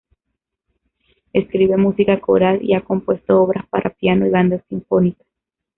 Escribe música coral y ha compuesto obras para piano y bandas sinfónicas.